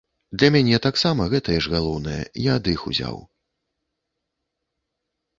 Для мяне таксама гэтае ж галоўнае, я ад іх узяў.